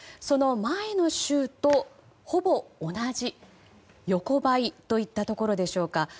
その前の週とほぼ同じ横ばいといったところでしょうか。